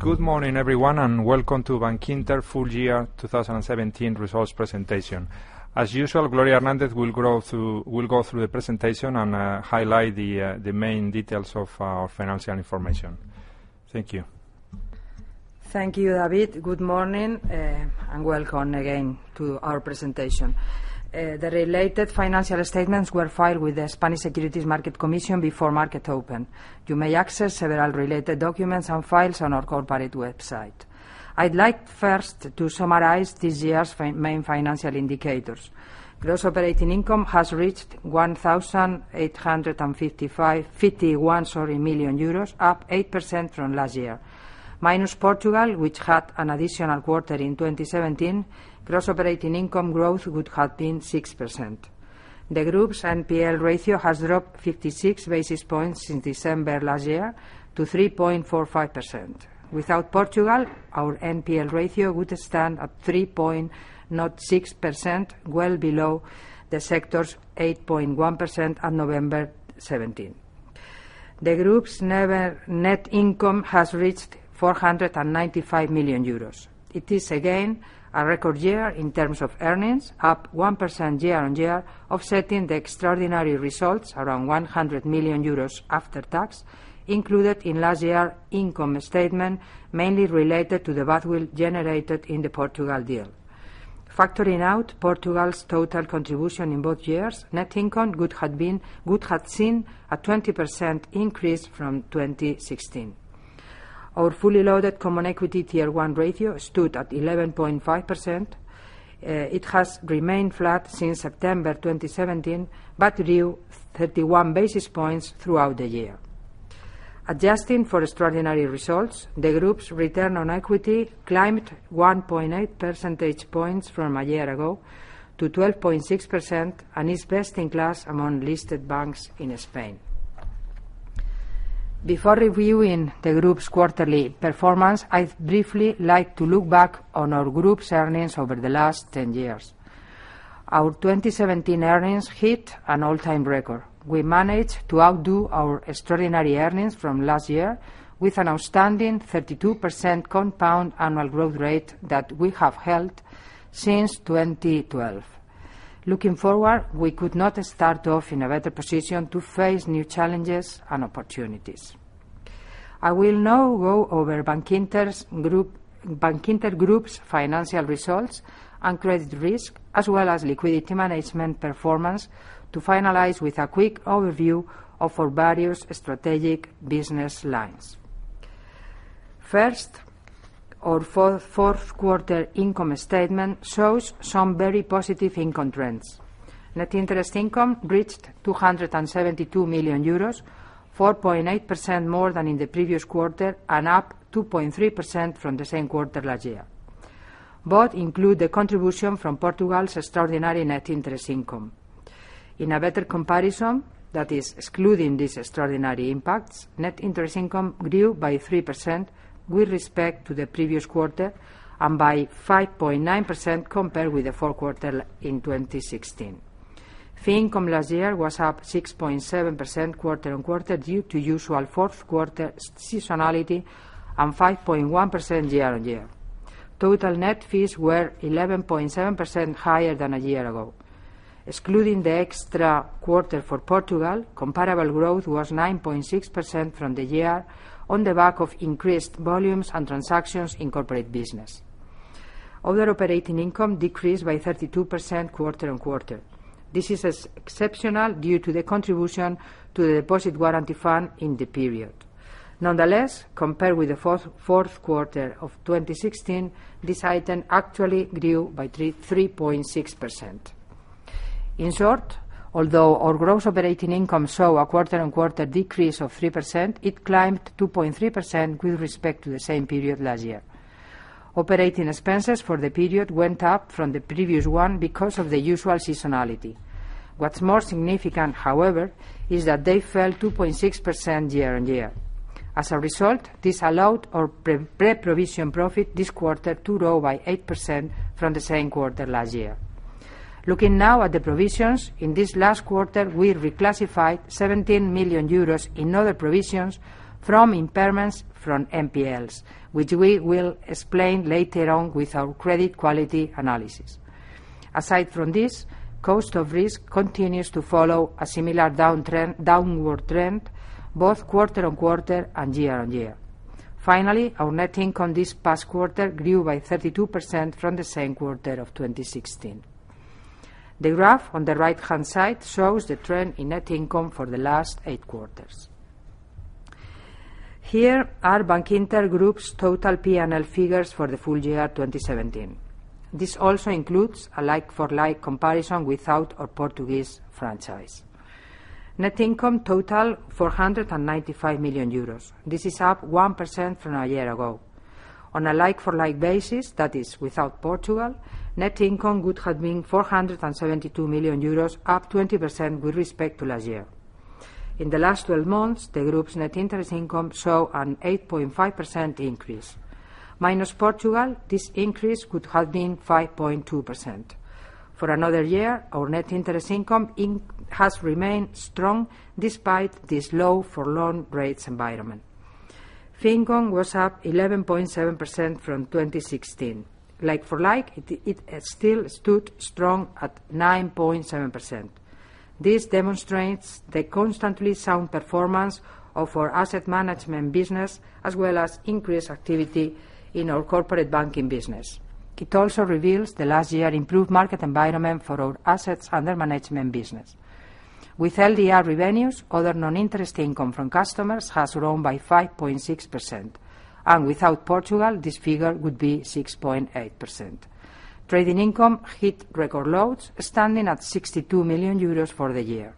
Good morning, everyone, welcome to Bankinter full year 2017 results presentation. As usual, Gloria Hernandez will go through the presentation and highlight the main details of our financial information. Thank you. Thank you, David. Good morning, welcome again to our presentation. The related financial statements were filed with the Spanish Securities Market Commission before market open. You may access several related documents and files on our corporate website. I'd like first to summarize this year's main financial indicators. Gross operating income has reached 1,855.51 million euros, up 8% from last year. Minus Portugal, which had an additional quarter in 2017, gross operating income growth would have been 6%. The group's NPL ratio has dropped 56 basis points since December last year to 3.45%. Without Portugal, our NPL ratio would stand at 3.06%, well below the sector's 8.1% on November 2017. The group's net income has reached 495 million euros. It is again a record year in terms of earnings, up 1% year-on-year, offsetting the extraordinary results around 100 million euros after tax included in last year income statement, mainly related to the goodwill generated in the Portugal deal. Factoring out Portugal's total contribution in both years, net income would have seen a 20% increase from 2016. Our fully loaded common equity Tier 1 ratio stood at 11.5%. It has remained flat since September 2017, grew 31 basis points throughout the year. Adjusting for extraordinary results, the group's return on equity climbed 1.8 percentage points from a year ago to 12.6%, and is best in class among listed banks in Spain. Before reviewing the group's quarterly performance, I'd briefly like to look back on our group's earnings over the last 10 years. Our 2017 earnings hit an all-time record. We managed to outdo our extraordinary earnings from last year with an outstanding 32% compound annual growth rate that we have held since 2012. Looking forward, we could not start off in a better position to face new challenges and opportunities. I will now go over Bankinter Group's financial results and credit risk, as well as liquidity management performance to finalize with a quick overview of our various strategic business lines. First, our fourth quarter income statement shows some very positive income trends. Net interest income reached 272 million euros, 4.8% more than in the previous quarter, up 2.3% from the same quarter last year. Both include the contribution from Portugal's extraordinary net interest income. In a better comparison, that is excluding these extraordinary impacts, net interest income grew by 3% with respect to the previous quarter, by 5.9% compared with the fourth quarter in 2016. Fee income last year was up 6.7% quarter-on-quarter due to usual fourth quarter seasonality and 5.1% year-on-year. Total net fees were 11.7% higher than a year ago. Excluding the extra quarter for Portugal, comparable growth was 9.6% from the year on the back of increased volumes and transactions in corporate business. Other operating income decreased by 32% quarter-on-quarter. This is exceptional due to the contribution to the Deposit Guarantee Fund in the period. Nonetheless, compared with the fourth quarter of 2016, this item actually grew by 3.6%. In short, although our gross operating income saw a quarter-on-quarter decrease of 3%, it climbed 2.3% with respect to the same period last year. Operating expenses for the period went up from the previous one because of the usual seasonality. What's more significant, however, is that they fell 2.6% year-on-year. As a result, this allowed our pre-provision profit this quarter to grow by 8% from the same quarter last year. Looking now at the provisions, in this last quarter, we reclassified 17 million euros in other provisions from impairments from NPLs, which we will explain later on with our credit quality analysis. Aside from this, cost of risk continues to follow a similar downward trend, both quarter-on-quarter and year-on-year. Finally, our net income this past quarter grew by 32% from the same quarter of 2016. The graph on the right-hand side shows the trend in net income for the last eight quarters. Here are Bankinter Group's total P&L figures for the full year 2017. This also includes a like-for-like comparison without our Portuguese franchise. Net income total, 495 million euros. This is up 1% from a year ago. On a like-for-like basis, that is without Portugal, net income would have been 472 million euros, up 20% with respect to last year. In the last 12 months, the group's net interest income saw an 8.5% increase. Minus Portugal, this increase would have been 5.2%. For another year, our net interest income has remained strong despite this low-for-long rates environment. Fee income was up 11.7% from 2016. Like for like, it still stood strong at 9.7%. This demonstrates the constantly sound performance of our asset management business, as well as increased activity in our corporate banking business. It also reveals the last year improved market environment for our assets under management business. With LDA revenues, other non-interest income from customers has grown by 5.6%, and without Portugal, this figure would be 6.8%. Trading income hit record lows, standing at 62 million euros for the year.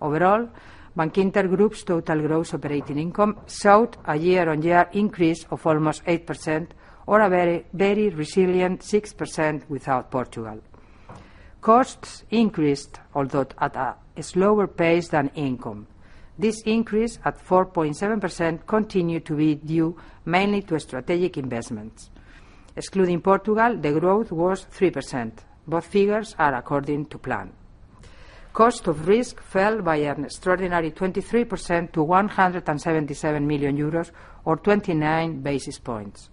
Overall, Bankinter Group's total gross operating income showed a year-on-year increase of almost 8%, or a very resilient 6% without Portugal. Costs increased, although at a slower pace than income. This increase, at 4.7%, continued to be due mainly to strategic investments. Excluding Portugal, the growth was 3%. Both figures are according to plan. Cost of risk fell by an extraordinary 23% to 177 million euros, or 29 basis points.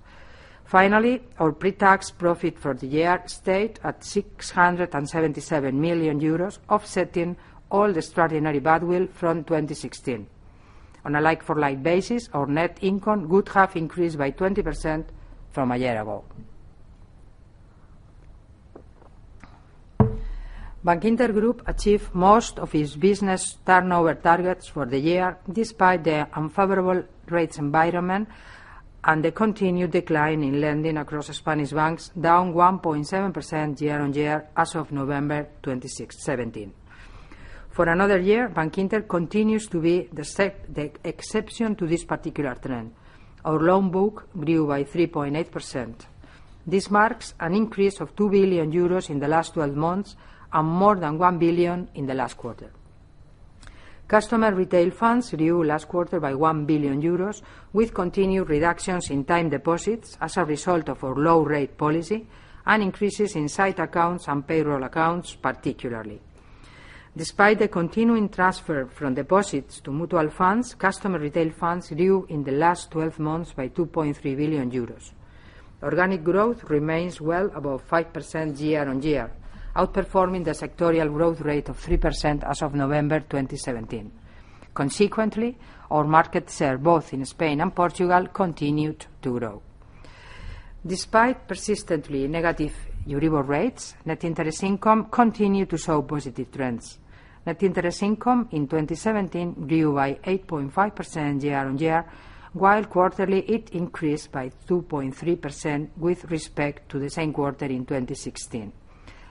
Finally, our pre-tax profit for the year stayed at 677 million euros, offsetting all the extraordinary goodwill from 2016. On a like-for-like basis, our net income would have increased by 20% from a year ago. Bankinter Group achieved most of its business turnover targets for the year, despite the unfavorable rates environment and the continued decline in lending across Spanish banks, down 1.7% year-on-year as of November 2017. For another year, Bankinter continues to be the exception to this particular trend. Our loan book grew by 3.8%. This marks an increase of 2 billion euros in the last 12 months and more than 1 billion in the last quarter. Customer retail funds grew last quarter by 1 billion euros, with continued reductions in time deposits as a result of our low rate policy and increases in sight accounts and payroll accounts, particularly. Despite the continuing transfer from deposits to mutual funds, customer retail funds grew in the last 12 months by 2.3 billion euros. Organic growth remains well above 5% year-on-year, outperforming the sectorial growth rate of 3% as of November 2017. Consequently, our market share, both in Spain and Portugal, continued to grow. Despite persistently negative EUR rates, net interest income continued to show positive trends. Net interest income in 2017 grew by 8.5% year-on-year, while quarterly, it increased by 2.3% with respect to the same quarter in 2016.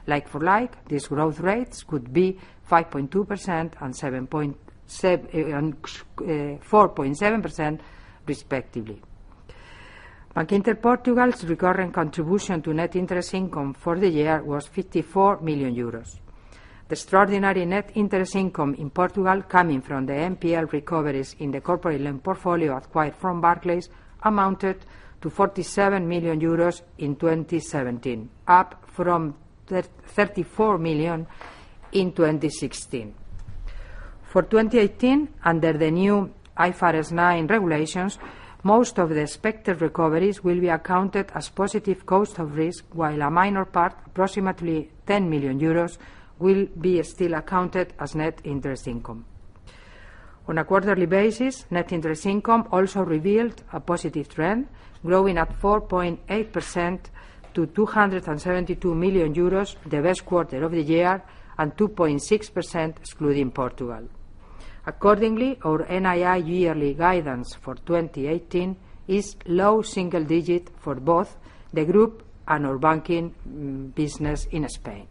Like for like, these growth rates could be 5.2% and 4.7%, respectively. Bankinter Portugal's recurring contribution to net interest income for the year was 54 million euros. The extraordinary net interest income in Portugal coming from the NPL recoveries in the corporate loan portfolio acquired from Barclays amounted to 47 million euros in 2017, up from 34 million in 2016. For 2018, under the new IFRS 9 regulations, most of the expected recoveries will be accounted as positive cost of risk, while a minor part, approximately 10 million euros, will be still accounted as net interest income. On a quarterly basis, net interest income also revealed a positive trend, growing at 4.8% to 272 million euros the best quarter of the year, and 2.6% excluding Portugal. Accordingly, our NII yearly guidance for 2018 is low single digit for both the group and our banking business in Spain.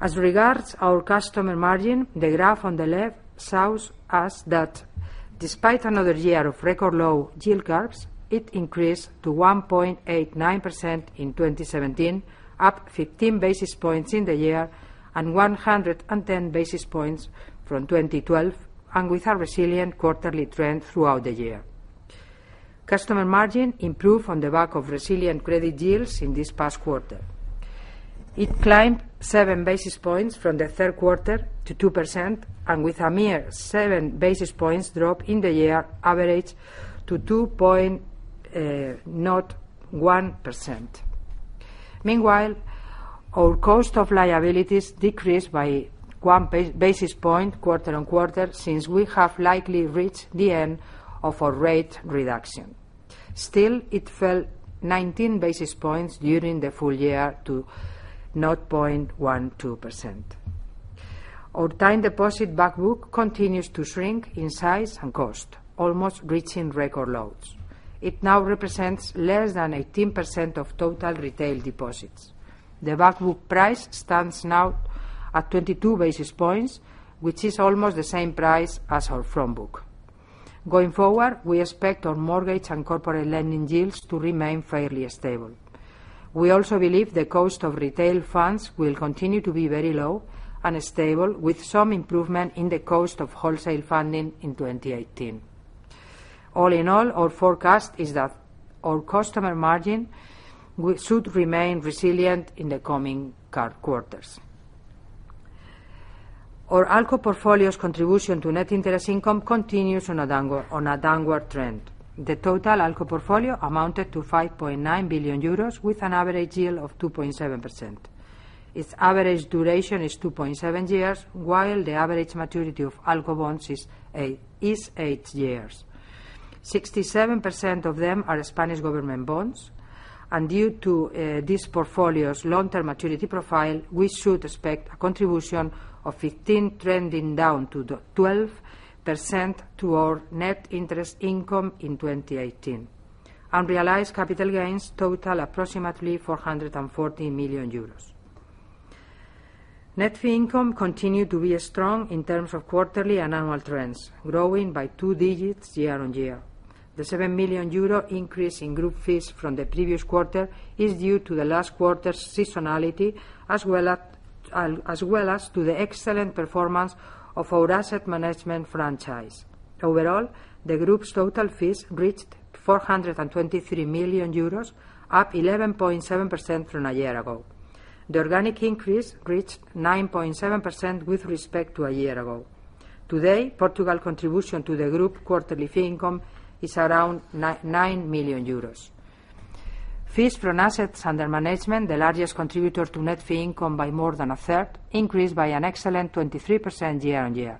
As regards our customer margin, the graph on the left shows us that despite another year of record low yield curves, it increased to 1.89% in 2017, up 15 basis points in the year, and 110 basis points from 2012, and with a resilient quarterly trend throughout the year. Customer margin improved on the back of resilient credit yields in this past quarter. It climbed seven basis points from the third quarter to 2%, and with a mere seven basis points drop in the year average to 0.1%. Meanwhile, our cost of liabilities decreased by one basis point quarter-on-quarter, since we have likely reached the end of our rate reduction. Still, it fell 19 basis points during the full year to 0.12%. Our time deposit back book continues to shrink in size and cost, almost reaching record lows. It now represents less than 18% of total retail deposits. The back book price stands now at 22 basis points, which is almost the same price as our front book. Going forward, we expect our mortgage and corporate lending yields to remain fairly stable. We also believe the cost of retail funds will continue to be very low and stable, with some improvement in the cost of wholesale funding in 2018. All in all, our forecast is that our customer margin should remain resilient in the coming quarters. Our ALCO portfolio's contribution to net interest income continues on a downward trend. The total ALCO portfolio amounted to 5.9 billion euros, with an average yield of 2.7%. Its average duration is 2.7 years, while the average maturity of ALCO bonds is eight years. 67% of them are Spanish government bonds, and due to this portfolio's long-term maturity profile, we should expect a contribution of 15%, trending down to 12%, to our net interest income in 2018. Unrealized capital gains total approximately 440 million euros. Net fee income continued to be strong in terms of quarterly and annual trends, growing by 2 digits year-over-year. The 7 million euro increase in group fees from the previous quarter is due to the last quarter's seasonality, as well as to the excellent performance of our asset management franchise. Overall, the group's total fees reached 423 million euros, up 11.7% from a year ago. The organic increase reached 9.7% with respect to a year ago. Today, Portugal contribution to the group quarterly fee income is around 9 million euros. Fees from assets under management, the largest contributor to net fee income by more than a third, increased by an excellent 23% year-over-year.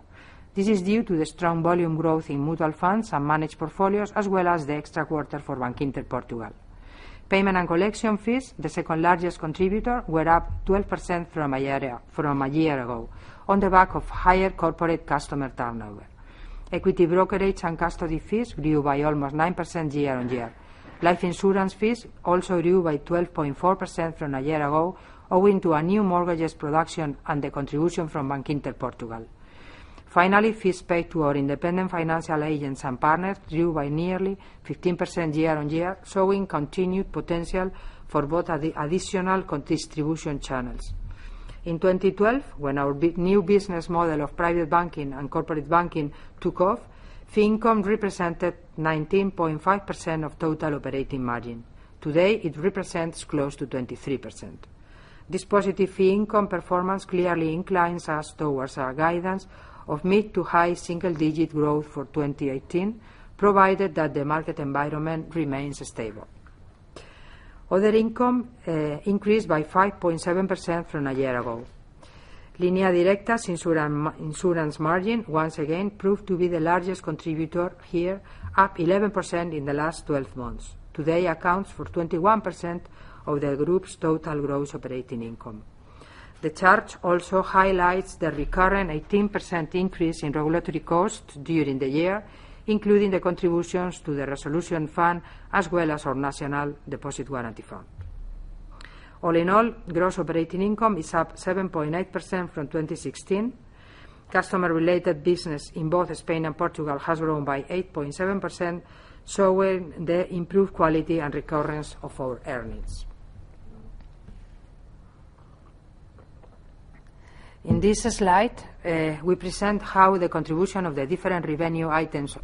This is due to the strong volume growth in mutual funds and managed portfolios, as well as the extra quarter for Bankinter Portugal. Payment and collection fees, the second largest contributor, were up 12% from a year ago on the back of higher corporate customer turnover. Equity brokerage and custody fees grew by almost 9% year-over-year. Life insurance fees also grew by 12.4% from a year ago, owing to new mortgages production and the contribution from Bankinter Portugal. Finally, fees paid to our independent financial agents and partners grew by nearly 15% year-over-year, showing continued potential for both additional distribution channels. In 2012, when our big new business model of private banking and corporate banking took off, fee income represented 19.5% of total operating margin. Today, it represents close to 23%. This positive fee income performance clearly inclines us towards our guidance of mid to high single-digit growth for 2018, provided that the market environment remains stable. Other income increased by 5.7% from a year ago. Línea Directa's insurance margin once again proved to be the largest contributor here, up 11% in the last 12 months. Today, it accounts for 21% of the group's total gross operating income. The chart also highlights the recurring 18% increase in regulatory costs during the year, including the contributions to the resolution fund, as well as our national Deposit Guarantee Fund. All in all, gross operating income is up 7.8% from 2016. Customer-related business in both Spain and Portugal has grown by 8.7%, showing the improved quality and recurrence of our earnings. In this slide, we present how the contribution of the different revenue items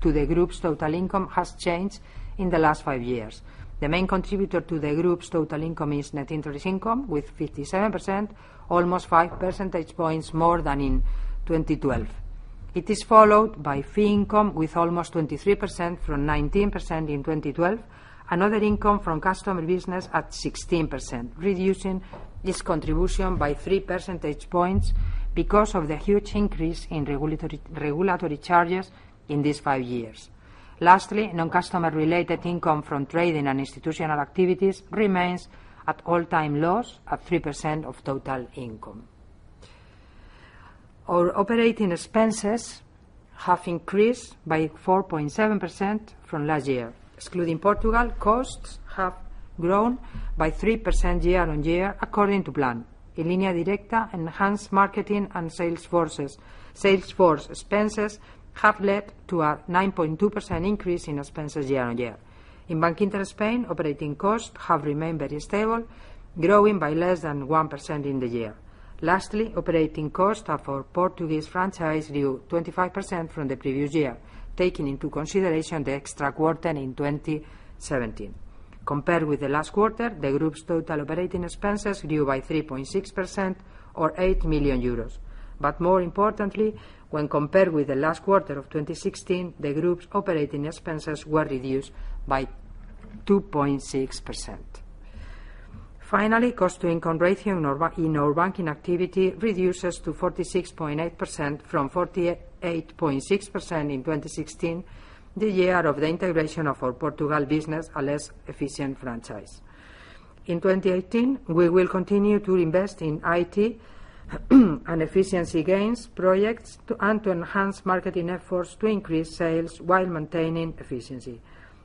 to the group's total income has changed in the last five years. The main contributor to the group's total income is net interest income, with 57%, almost five percentage points more than in 2012. It is followed by fee income with almost 23%, from 19% in 2012, and other income from customer business at 16%, reducing this contribution by three percentage points because of the huge increase in regulatory charges in these five years. Lastly, non-customer-related income from trading and institutional activities remains at all-time lows, at 3% of total income. Our operating expenses have increased by 4.7% from last year. Excluding Portugal, costs have grown by 3% year-over-year according to plan. In Línea Directa, enhanced marketing and sales force expenses have led to a 9.2% increase in expenses year-on-year. In Bankinter Spain, operating costs have remained very stable, growing by less than 1% in the year. Lastly, operating costs of our Portuguese franchise grew 25% from the previous year, taking into consideration the extra quarter in 2017. Compared with the last quarter, the group's total operating expenses grew by 3.6%, or 8 million euros. More importantly, when compared with the last quarter of 2016, the group's operating expenses were reduced by 2.6%. Finally, cost to income ratio in our banking activity reduces to 46.8% from 48.6% in 2016, the year of the integration of our Portugal business, a less efficient franchise. In 2018, we will continue to invest in IT and efficiency gains projects, to enhance marketing efforts to increase sales while maintaining efficiency.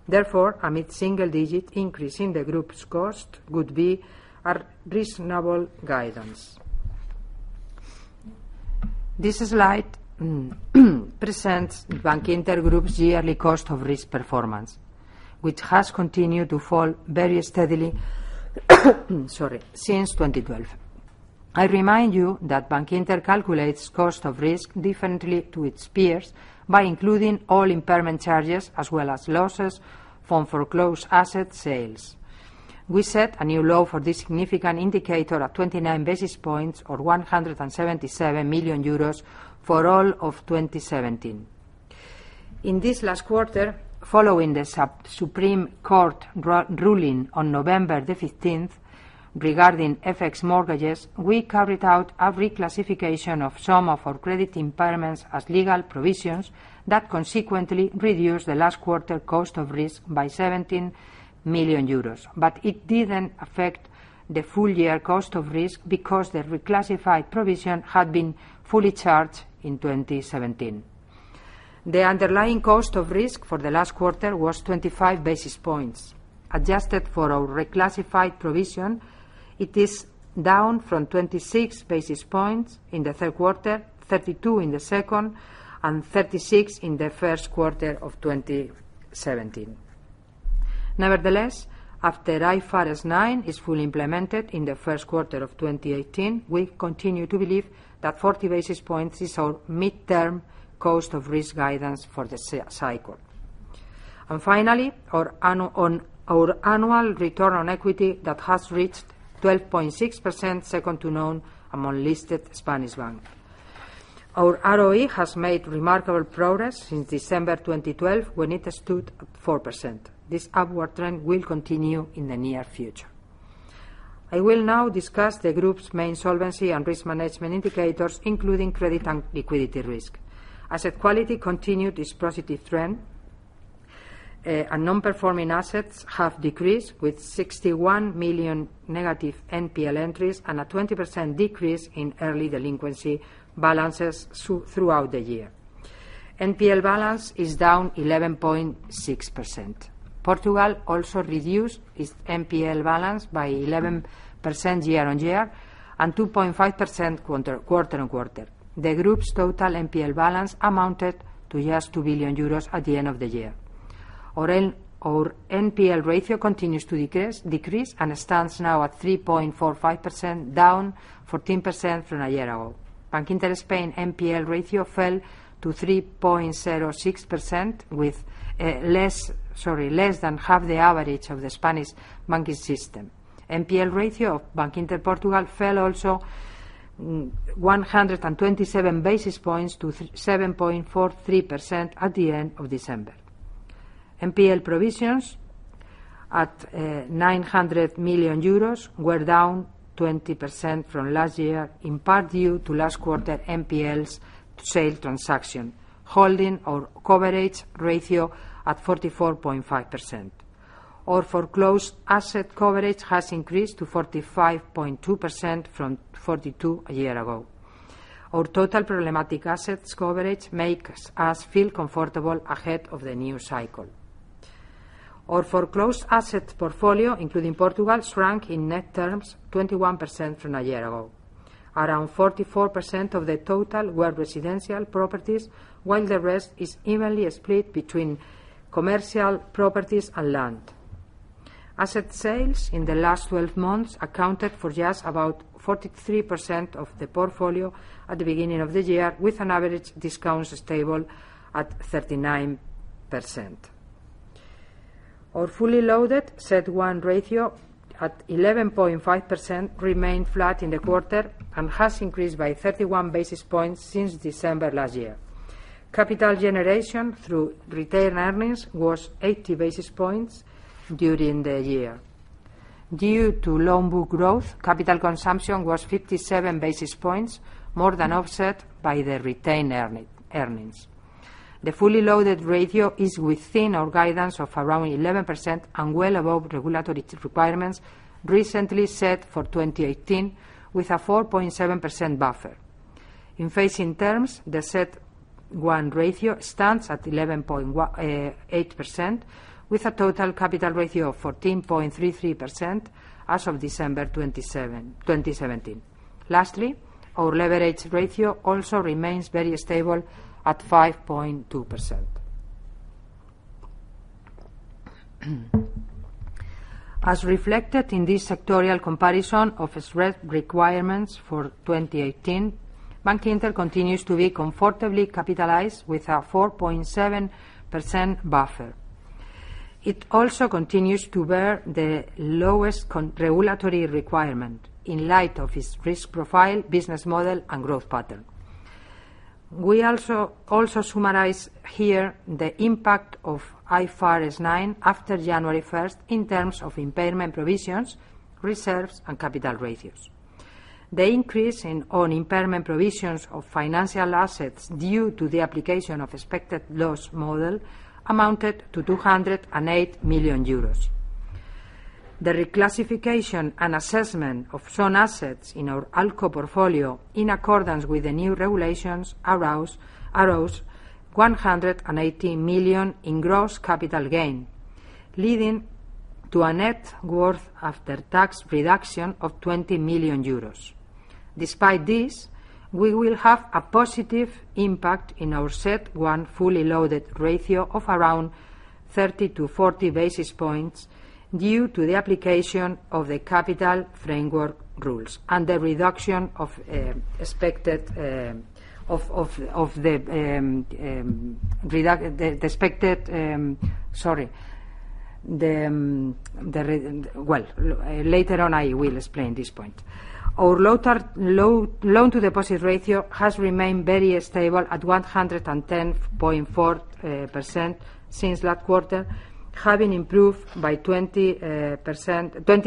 A mid-single digit increase in the group's cost would be a reasonable guidance. This slide presents Bankinter Group's yearly cost of risk performance, which has continued to fall very steadily since 2012. I remind you that Bankinter calculates cost of risk differently to its peers by including all impairment charges, as well as losses from foreclosed asset sales. We set a new low for this significant indicator at 29 basis points or 177 million euros for all of 2017. In this last quarter, following the Supreme Court ruling on November 15th regarding FX mortgages, we carried out a reclassification of some of our credit impairments as legal provisions that consequently reduced the last quarter cost of risk by 17 million euros. It didn't affect the full year cost of risk because the reclassified provision had been fully charged in 2017. The underlying cost of risk for the last quarter was 25 basis points. Adjusted for our reclassified provision, it is down from 26 basis points in the third quarter, 32 in the second, and 36 in the first quarter of 2017. After IFRS 9 is fully implemented in the first quarter of 2018, we continue to believe that 40 basis points is our midterm cost of risk guidance for the cycle. Finally, our annual return on equity that has reached 12.6%, second to none among listed Spanish banks. Our ROE has made remarkable progress since December 2012, when it stood at 4%. This upward trend will continue in the near future. I will now discuss the group's main solvency and risk management indicators, including credit and liquidity risk. Asset quality continued its positive trend. Non-performing assets have decreased, with 61 million negative NPL entries and a 20% decrease in early delinquency balances throughout the year. NPL balance is down 11.6%. Portugal also reduced its NPL balance by 11% year-on-year and 2.5% quarter-on-quarter. The group's total NPL balance amounted to just 2 billion euros at the end of the year. Our NPL ratio continues to decrease and stands now at 3.45%, down 14% from a year ago. Bankinter Spain NPL ratio fell to 3.06% with less than half the average of the Spanish banking system. NPL ratio of Bankinter Portugal fell also 127 basis points to 7.43% at the end of December. NPL provisions at 900 million euros were down 20% from last year, in part due to last quarter NPL sale transaction, holding our coverage ratio at 44.5%. Our foreclosed asset coverage has increased to 45.2% from 42% a year ago. Our total problematic assets coverage makes us feel comfortable ahead of the new cycle. Our foreclosed asset portfolio, including Portugal, shrunk in net terms 21% from a year ago. Around 44% of the total were residential properties, while the rest is evenly split between commercial properties and land. Asset sales in the last 12 months accounted for just about 43% of the portfolio at the beginning of the year, with an average discount stable at 39%. Our fully loaded CET1 ratio at 11.5% remained flat in the quarter and has increased by 31 basis points since December last year. Capital generation through retained earnings was 80 basis points during the year. Due to loan book growth, capital consumption was 57 basis points, more than offset by the retained earnings. The fully loaded ratio is within our guidance of around 11% and well above regulatory requirements recently set for 2018 with a 4.7% buffer. In phasing terms, the CET1 ratio stands at 11.8%, with a total capital ratio of 14.33% as of December 2017. Lastly, our leverage ratio also remains very stable at 5.2%. As reflected in this sectorial comparison of risk requirements for 2018, Bankinter continues to be comfortably capitalized with a 4.7% buffer. It also continues to bear the lowest regulatory requirement in light of its risk profile, business model, and growth pattern. We also summarize here the impact of IFRS 9 after January 1st in terms of impairment provisions, reserves, and capital ratios. The increase in own impairment provisions of financial assets due to the application of expected loss model amounted to 208 million euros. The reclassification and assessment of some assets in our ALCO portfolio in accordance with the new regulations arose 118 million in gross capital gain, leading to a net worth after-tax reduction of 20 million euros. Despite this, we will have a positive impact in our CET1 fully loaded ratio of around 30 to 40 basis points due to the application of the capital framework rules. Well, later on, I will explain this point. Our loan-to-deposit ratio has remained very stable at 110.4% since last quarter, having improved by 20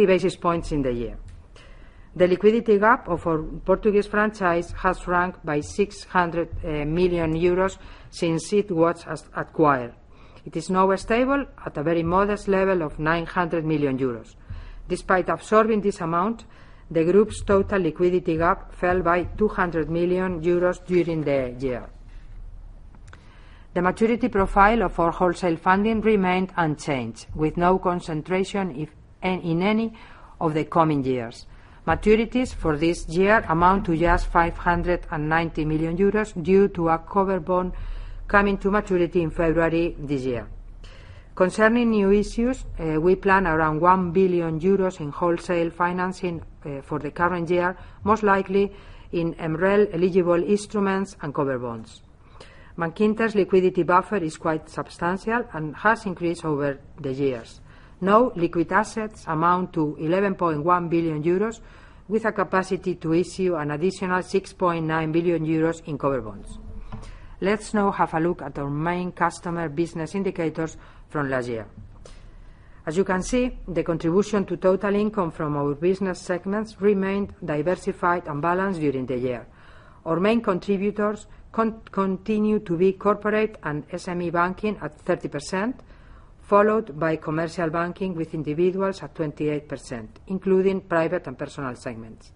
basis points in the year. The liquidity gap of our Portuguese franchise has shrunk by 600 million euros since it was acquired. It is now stable at a very modest level of 900 million euros. Despite absorbing this amount, the group's total liquidity gap fell by 200 million euros during the year. The maturity profile of our wholesale funding remained unchanged, with no concentration in any of the coming years. Maturities for this year amount to just 590 million euros due to a cover bond coming to maturity in February this year. Concerning new issues, we plan around 1 billion euros in wholesale financing for the current year, most likely in MREL eligible instruments and cover bonds. Bankinter's liquidity buffer is quite substantial and has increased over the years. Now, liquid assets amount to 11.1 billion euros, with a capacity to issue an additional 6.9 billion euros in cover bonds. Let's now have a look at our main customer business indicators from last year. As you can see, the contribution to total income from our business segments remained diversified and balanced during the year. Our main contributors continue to be corporate and SME banking at 30%, followed by commercial banking with individuals at 28%, including private and personal segments.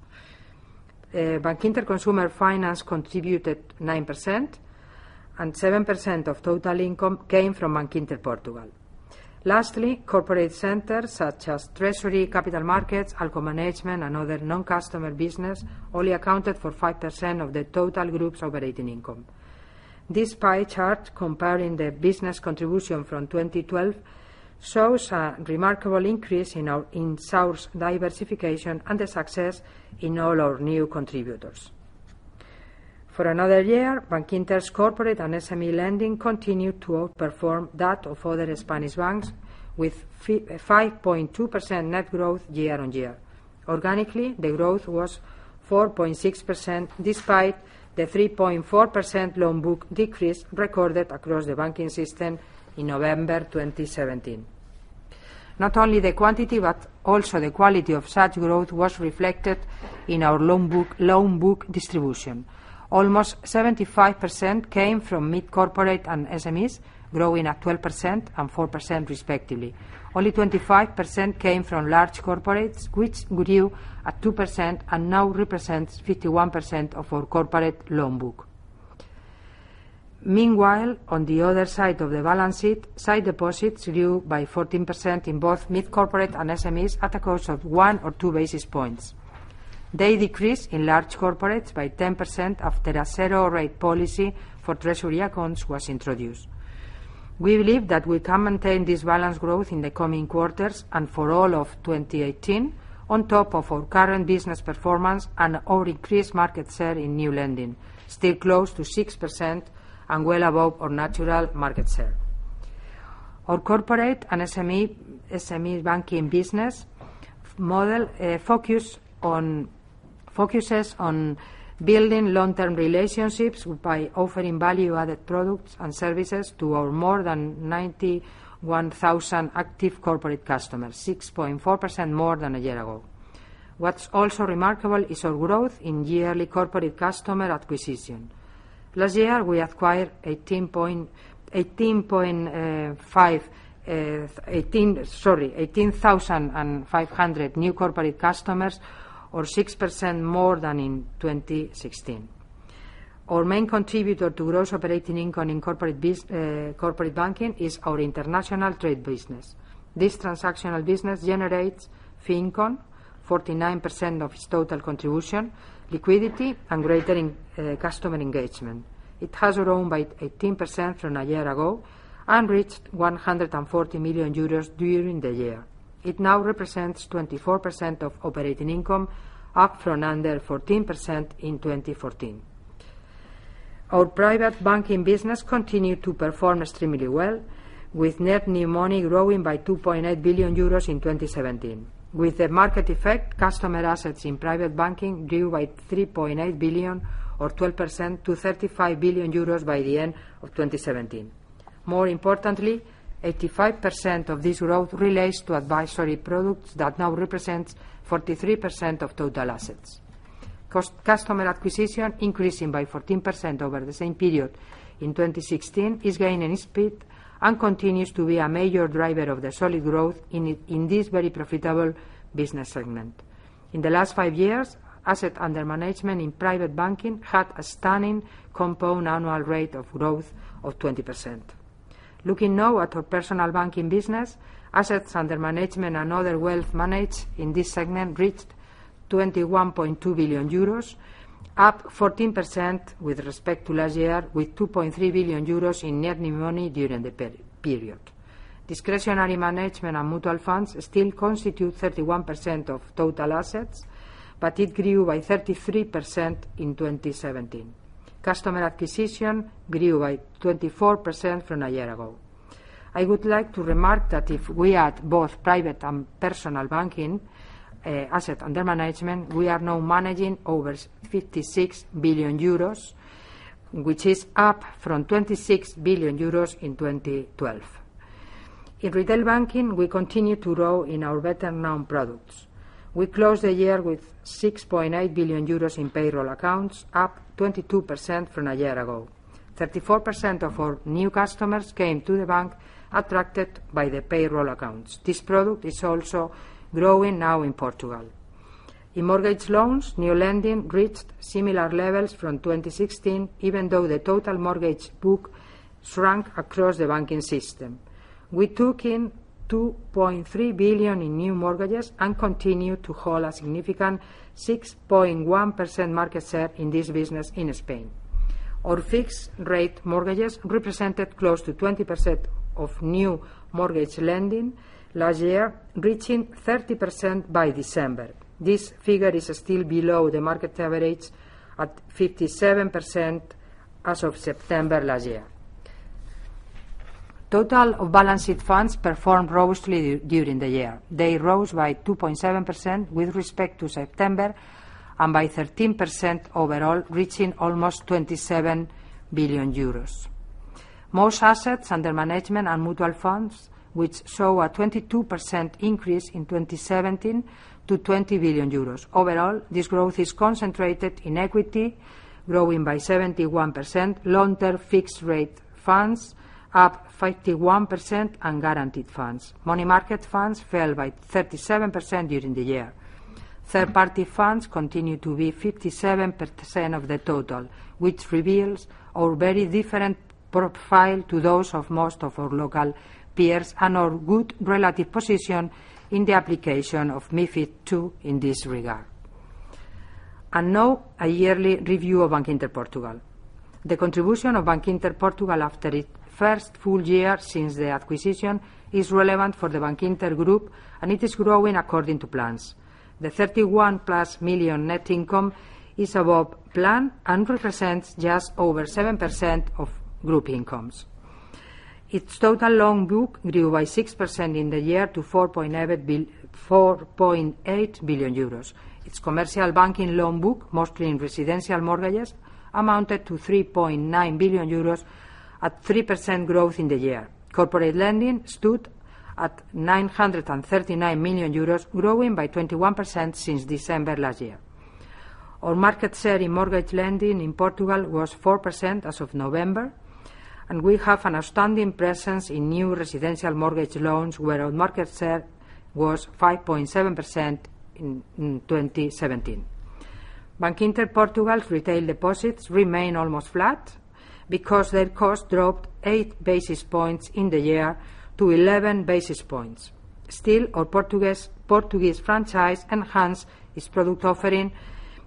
Bankinter Consumer Finance contributed 9%, and 7% of total income came from Bankinter Portugal. Lastly, corporate centers such as treasury, capital markets, ALCO management, and other non-customer business only accounted for 5% of the total group's operating income. This pie chart, comparing the business contribution from 2012, shows a remarkable increase in source diversification and the success in all our new contributors. For another year, Bankinter's corporate and SME lending continued to outperform that of other Spanish banks, with 5.2% net growth year-on-year. Organically, the growth was 4.6%, despite the 3.4% loan book decrease recorded across the banking system in November 2017. Not only the quantity but also the quality of such growth was reflected in our loan book distribution. Almost 75% came from mid-corporate and SMEs, growing at 12% and 4% respectively. Only 25% came from large corporates, which grew at 2% and now represents 51% of our corporate loan book. Meanwhile, on the other side of the balance sheet, sight deposits grew by 14% in both mid-corporate and SMEs at a cost of one or two basis points. They decreased in large corporates by 10% after a zero-rate policy for treasury accounts was introduced. We believe that we can maintain this balanced growth in the coming quarters and for all of 2018 on top of our current business performance and our increased market share in new lending, still close to 6% and well above our natural market share. Our corporate and SME banking business model focuses on building long-term relationships by offering value-added products and services to our more than 91,000 active corporate customers, 6.4% more than a year ago. What's also remarkable is our growth in yearly corporate customer acquisition. Last year, we acquired 18,500 new corporate customers or 6% more than in 2016. Our main contributor to gross operating income in corporate banking is our international trade business. This transactional business generates fee income, 49% of its total contribution, liquidity, and greater customer engagement. It has grown by 18% from a year ago and reached 140 million euros during the year. It now represents 24% of operating income, up from under 14% in 2014. Our private banking business continued to perform extremely well, with net new money growing by 2.8 billion euros in 2017. With the market effect, customer assets in private banking grew by 3.8 billion or 12% to 35 billion euros by the end of 2017. More importantly, 85% of this growth relates to advisory products that now represent 43% of total assets. Customer acquisition increasing by 14% over the same period in 2016 is gaining speed and continues to be a major driver of the solid growth in this very profitable business segment. In the last five years, assets under management in private banking had a stunning compound annual rate of growth of 20%. Looking now at our personal banking business, assets under management and other wealth managed in this segment reached 21.2 billion euros, up 14% with respect to last year, with 2.3 billion euros in net new money during the period. Discretionary management and mutual funds still constitute 31% of total assets, but it grew by 33% in 2017. Customer acquisition grew by 24% from a year ago. I would like to remark that if we add both private and personal banking assets under management, we are now managing over 56 billion euros, which is up from 26 billion euros in 2012. In retail banking, we continue to grow in our better-known products. We closed the year with 6.8 billion euros in payroll accounts, up 22% from a year ago. 34% of our new customers came to the bank attracted by the payroll accounts. This product is also growing now in Portugal. In mortgage loans, new lending reached similar levels from 2016, even though the total mortgage book shrank across the banking system. We took in 2.3 billion in new mortgages and continued to hold a significant 6.1% market share in this business in Spain. Our fixed rate mortgages represented close to 20% of new mortgage lending last year, reaching 30% by December. This figure is still below the market average at 57% as of September last year. Total off-balance sheet funds performed robustly during the year. They rose by 2.7% with respect to September and by 13% overall, reaching almost 27 billion euros. Most assets under management are mutual funds, which show a 22% increase in 2017 to 20 billion euros. Overall, this growth is concentrated in equity, growing by 71%, long-term fixed rate funds up 51%, and guaranteed funds. Money market funds fell by 37% during the year. Third-party funds continue to be 57% of the total, which reveals our very different profile to those of most of our local peers and our good relative position in the application of MiFID II in this regard. Now, a yearly review of Bankinter Portugal. The contribution of Bankinter Portugal after its first full year since the acquisition is relevant for the Bankinter Group, and it is growing according to plans. The 31-plus million net income is above plan and represents just over 7% of group incomes. Its total loan book grew by 6% in the year to 4.8 billion euros. Its commercial banking loan book, mostly in residential mortgages, amounted to 3.9 billion euros at 3% growth in the year. Corporate lending stood at 939 million euros, growing by 21% since December last year. Our market share in mortgage lending in Portugal was 4% as of November, and we have an outstanding presence in new residential mortgage loans, where our market share was 5.7% in 2017. Bankinter Portugal's retail deposits remain almost flat because their cost dropped eight basis points in the year to 11 basis points. Still, our Portuguese franchise enhanced its product offering,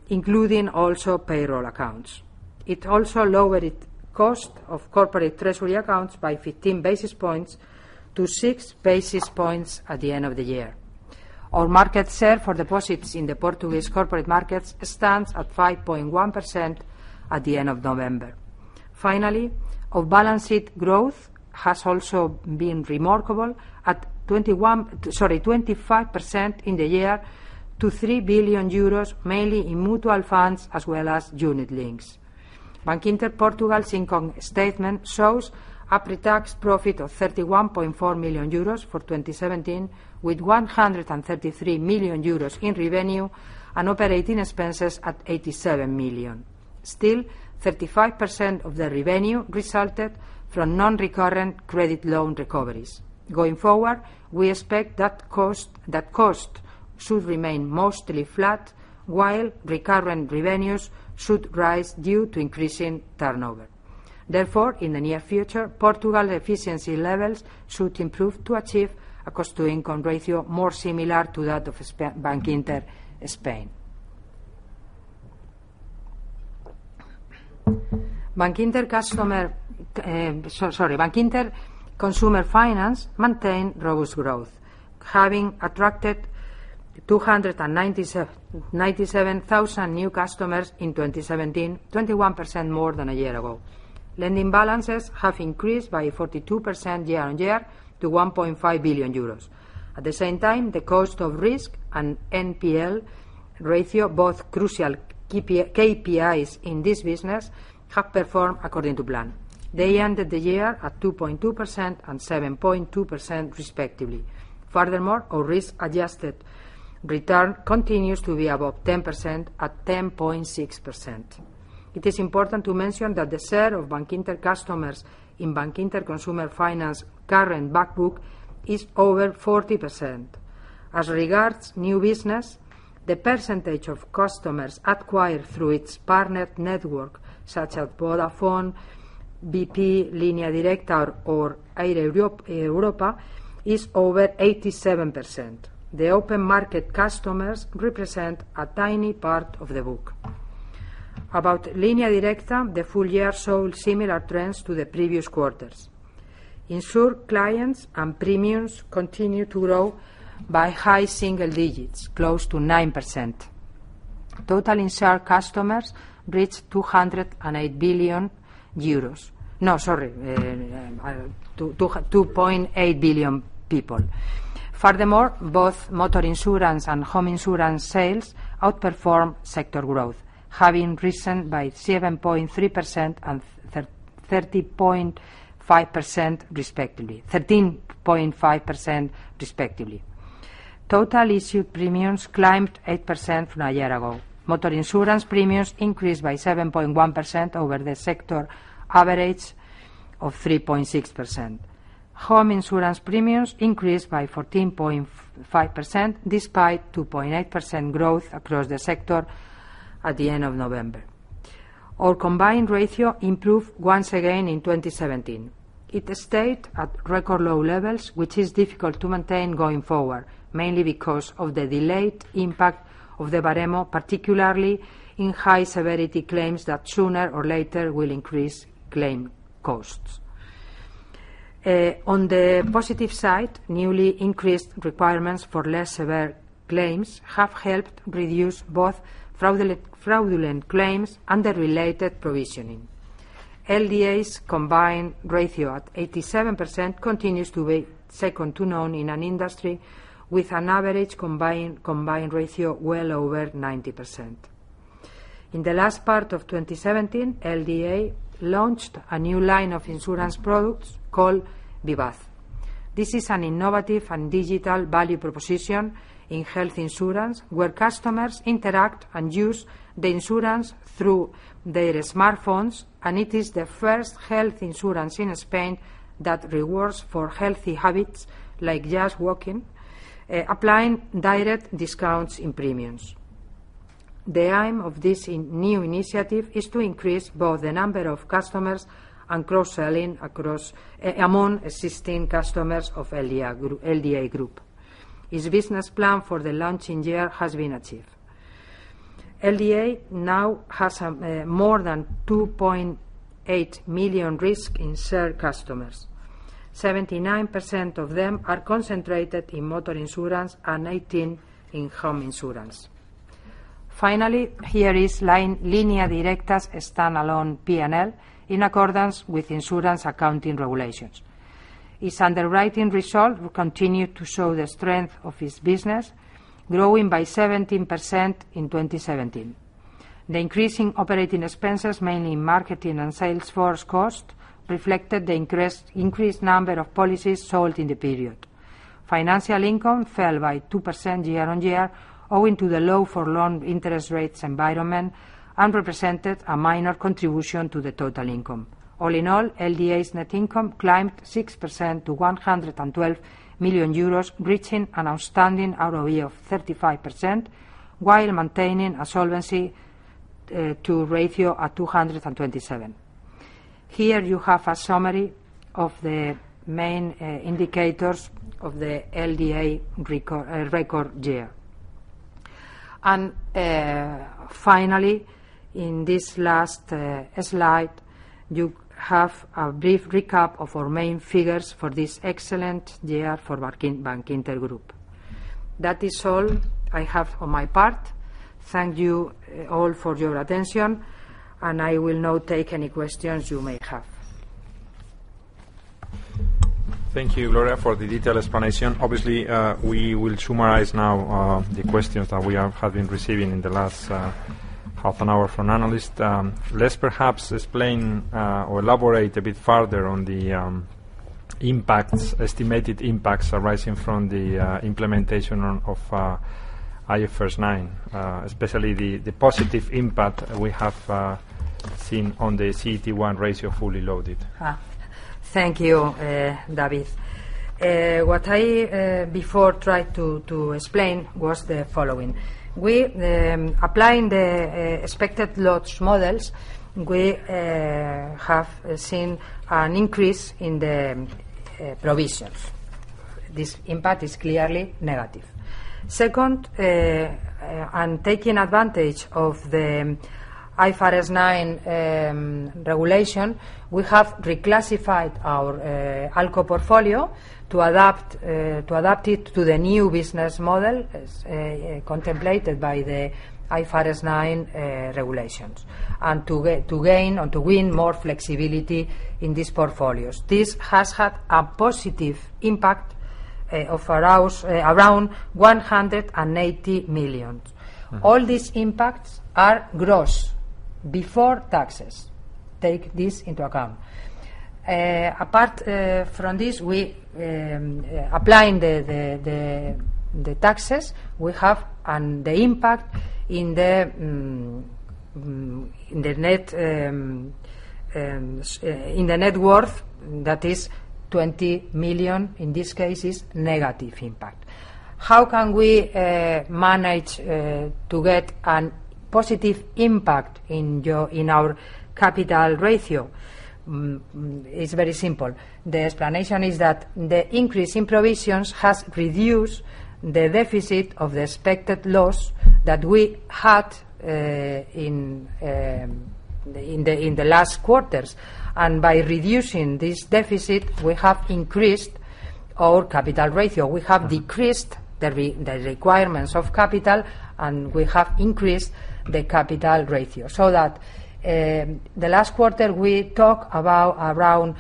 including also payroll accounts. It also lowered its cost of corporate treasury accounts by 15 basis points to six basis points at the end of the year. Our market share for deposits in the Portuguese corporate markets stands at 5.1% at the end of November. Finally, our balance sheet growth has also been remarkable at 25% in the year to 3 billion euros, mainly in mutual funds as well as unit-linked. Bankinter Portugal's income statement shows a pre-tax profit of 31.4 million euros for 2017, with 133 million euros in revenue and operating expenses at 87 million. Still, 35% of the revenue resulted from non-recurrent credit loan recoveries. Going forward, we expect that cost should remain mostly flat, while recurrent revenues should rise due to increasing turnover. In the near future, Portugal efficiency levels should improve to achieve a cost-to-income ratio more similar to that of Bankinter Spain. Bankinter Consumer Finance maintained robust growth, having attracted 297,000 new customers in 2017, 21% more than a year ago. Lending balances have increased by 42% year-on-year to 1.5 billion euros. At the same time, the cost of risk and NPL ratio, both crucial KPIs in this business, have performed according to plan. They ended the year at 2.2% and 7.2% respectively. Furthermore, our risk-adjusted return continues to be above 10% at 10.6%. It is important to mention that the share of Bankinter customers in Bankinter Consumer Finance current back book is over 40%. As regards new business, the percentage of customers acquired through its partnered network, such as Vodafone, BP, Línea Directa, or Air Europa, is over 87%. The open market customers represent a tiny part of the book. About Línea Directa, the full year showed similar trends to the previous quarters. Insured clients and premiums continue to grow by high single digits, close to 9%. Total insured customers reached 2.8 million customers. Both motor insurance and home insurance sales outperform sector growth, having risen by 7.3% and 13.5%, respectively. Total issued premiums climbed 8% from a year ago. Motor insurance premiums increased by 7.1% over the sector average of 3.6%. Home insurance premiums increased by 14.5%, despite 2.8% growth across the sector at the end of November. Our combined ratio improved once again in 2017. It stayed at record low levels, which is difficult to maintain going forward, mainly because of the delayed impact of the Baremo, particularly in high-severity claims that sooner or later will increase claim costs. Newly increased requirements for less severe claims have helped reduce both fraudulent claims and the related provisioning. LDA's combined ratio at 87% continues to be second to none in an industry with an average combined ratio well over 90%. In the last part of 2017, LDA launched a new line of insurance products called Vivaz. This is an innovative and digital value proposition in health insurance where customers interact and use the insurance through their smartphones, and it is the first health insurance in Spain that rewards for healthy habits like just walking, applying direct discounts in premiums. The aim of this new initiative is to increase both the number of customers and cross-selling among existing customers of LDA group. Its business plan for the launching year has been achieved. LDA now has more than 2.8 million risk insured customers. 79% of them are concentrated in motor insurance and 18% in home insurance. Línea Directa's standalone P&L in accordance with insurance accounting regulations. Its underwriting results continue to show the strength of its business, growing by 17% in 2017. The increasing operating expenses, mainly marketing and sales force cost, reflected the increased number of policies sold in the period. Financial income fell by 2% year-on-year, owing to the low-for-long interest rates environment, and represented a minor contribution to the total income. All in all, LDA's net income climbed 6% to 112 million euros, reaching an outstanding ROE of 35%, while maintaining a Solvency II ratio at 227. Here you have a summary of the main indicators of the LDA record year. Finally, in this last slide, you have a brief recap of our main figures for this excellent year for Bankinter Group. That is all I have on my part. Thank you all for your attention, and I will now take any questions you may have. Thank you, Gloria, for the detailed explanation. Obviously, we will summarize now the questions that we have been receiving in the last half an hour from analysts. Let's perhaps explain or elaborate a bit further on the estimated impacts arising from the implementation of IFRS 9, especially the positive impact we have seen on the CET1 ratio fully loaded. Thank you, David. What I before tried to explain was the following. Applying the expected loss models, we have seen an increase in the provisions. This impact is clearly negative. Second, taking advantage of the IFRS 9 regulation, we have reclassified our ALCO portfolio to adapt it to the new business model contemplated by the IFRS 9 regulations and to gain or to win more flexibility in these portfolios. This has had a positive impact of around 180 million. All these impacts are gross before taxes. Take this into account. Apart from this, applying the taxes, we have the impact in the net worth, that is 20 million, in this case, is negative impact. How can we manage to get a positive impact in our capital ratio? It's very simple. The explanation is that the increase in provisions has reduced the deficit of the expected loss that we had in the last quarters. By reducing this deficit, we have increased our capital ratio. We have decreased the requirements of capital, and we have increased the capital ratio, so that the last quarter, we talk of an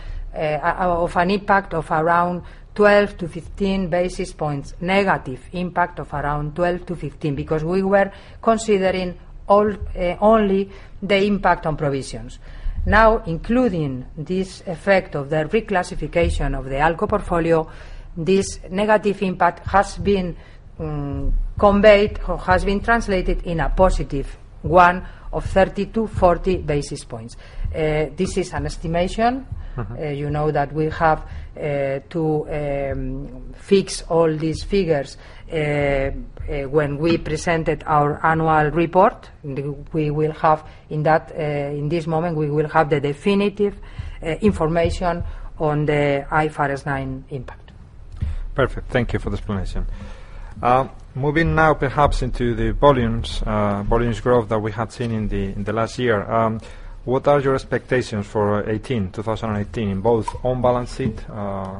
impact of around 12-15 basis points, negative impact of around 12-15, because we were considering only the impact on provisions. Now, including this effect of the reclassification of the ALCO portfolio, this negative impact has been conveyed or has been translated in a positive one of 30-40 basis points. This is an estimation. You know that we have to fix all these figures. When we presented our annual report, in this moment, we will have the definitive information on the IFRS 9 impact. Perfect. Thank you for the explanation. Moving now perhaps into the volumes growth that we have seen in the last year. What are your expectations for 2018, in both on-balance sheet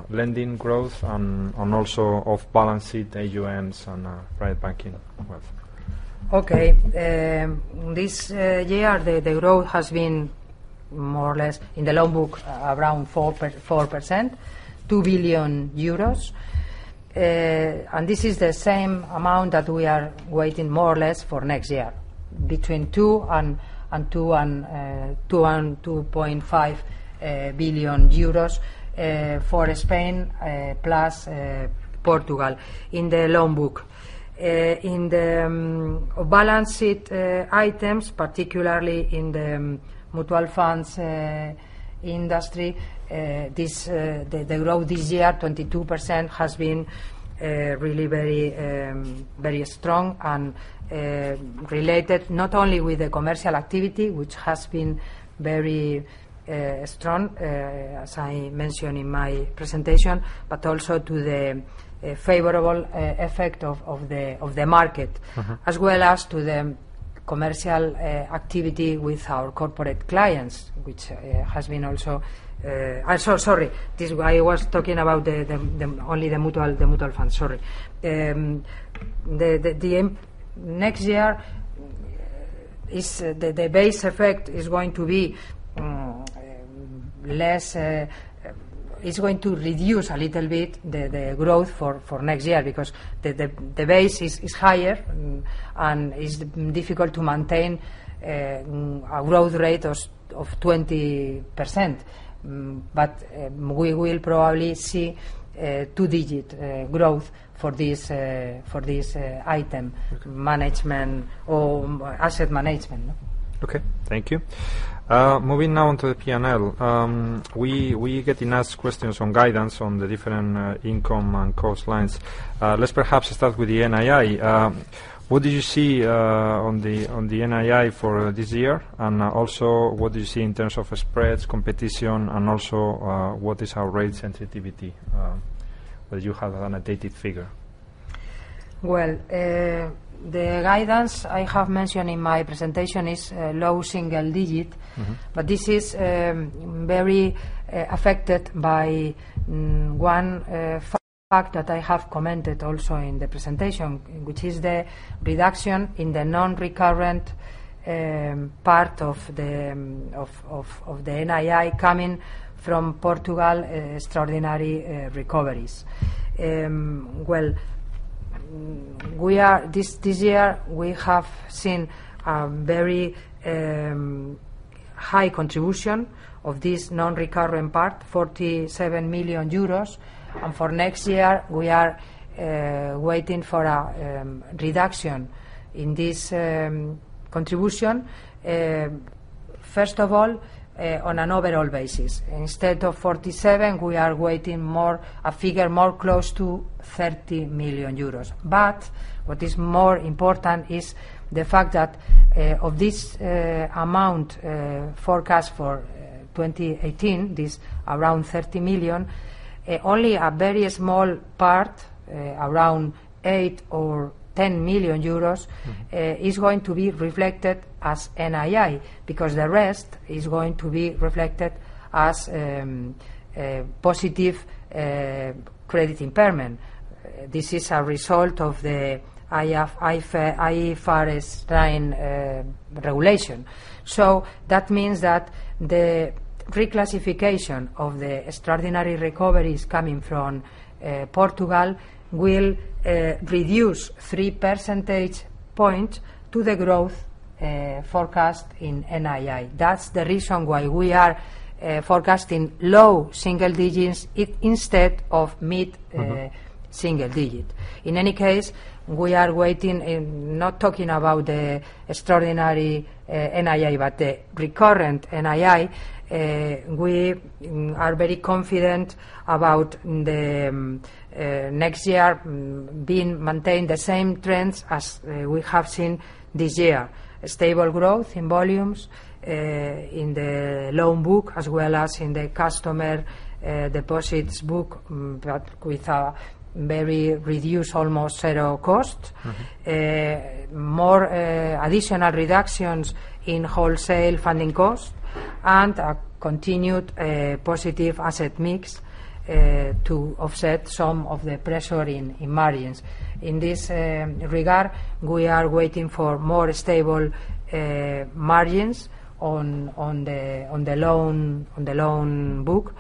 lending growth and also off-balance sheet AUMs and private banking wealth? Okay. This year, the growth has been more or less, in the loan book, around 4%, 2 billion euros. This is the same amount that we are waiting more or less for next year. Between 2 billion and 2.5 billion euros for Spain, plus Portugal in the loan book. In the balance sheet items, particularly in the mutual funds industry, the growth this year, 22%, has been really very strong and related not only with the commercial activity, which has been very strong, as I mentioned in my presentation, but also to the favorable effect of the market. As well as to the commercial activity with our corporate clients, which has been also Sorry, this is why I was talking about only the mutual funds, sorry. Next year, the base effect is going to reduce a little bit the growth for next year because the base is higher, and it's difficult to maintain a growth rate of 20%. We will probably see two-digit growth for this item. Okay asset management. Okay. Thank you. Moving now onto the P&L. We are getting asked questions on guidance on the different income and cost lines. Let's perhaps start with the NII. What do you see on the NII for this year? What do you see in terms of spreads, competition, and also what is our rate sensitivity? You have an updated figure. Well, the guidance I have mentioned in my presentation is low single digit. This is very affected by one fact that I have commented also in the presentation, which is the reduction in the non-recurrent part of the NII coming from Portugal extraordinary recoveries. Well, this year, we have seen a very high contribution of this non-recurrent part, 47 million euros. For next year, we are waiting for a reduction in this contribution. First of all, on an overall basis. Instead of 47, we are waiting a figure more close to 30 million euros. What is more important is the fact that of this amount forecast for 2018, this around 30 million, only a very small part, around eight million or 10 million euros, is going to be reflected as NII because the rest is going to be reflected as positive credit impairment. This is a result of the IFRS 9 regulation. That means that the reclassification of the extraordinary recoveries coming from Portugal will reduce 3 percentage points to the growth forecast in NII. That's the reason why we are forecasting low single digits instead of mid- single digit. We are waiting, not talking about the extraordinary NII, but the recurrent NII. We are very confident about next year maintaining the same trends as we have seen this year. Stable growth in volumes in the loan book, as well as in the customer deposits book, but with a very reduced, almost zero cost. More additional reductions in wholesale funding costs, a continued positive asset mix to offset some of the pressure in margins. In this regard, we are waiting for more stable margins on the loan book.